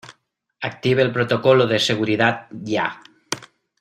active el protocolo de seguridad ya.